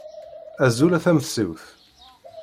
Azul a tamessiwt!